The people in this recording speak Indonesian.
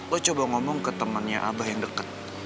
lo coba ngomong ke temennya abah yang deket